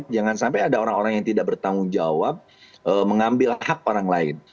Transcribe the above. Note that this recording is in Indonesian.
jangan sampai ada orang orang yang tidak bertanggung jawab mengambil hak orang lain